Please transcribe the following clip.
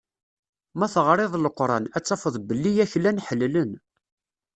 Ma teɣriḍ Leqran, ad tafeḍ belli aklan ḥellelen.